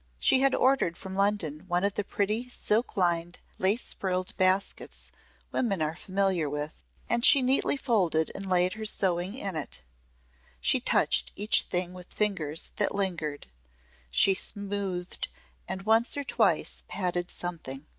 She had ordered from London one of the pretty silk lined lace frilled baskets women are familiar with, and she neatly folded and laid her sewing in it. She touched each thing with fingers that lingered; she smoothed and once or twice patted something.